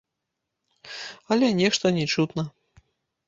Але нешта не чутна.